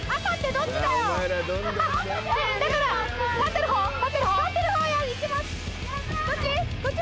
どっち？